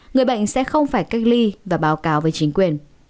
người bệnh sẽ không phải cách ly và báo cáo với chính quyền